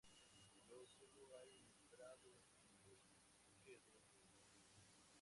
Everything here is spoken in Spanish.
Luego solo hay prados y el roquedo de granito.